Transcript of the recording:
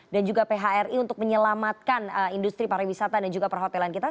dan juga phri untuk menyelamatkan industri pariwisata dan juga perhotelan kita